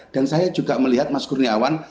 dan saya juga melihat mas kurniawan